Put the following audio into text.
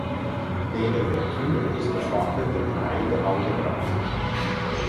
Neben der Tür ist das Wappen der Gemeinde angebracht.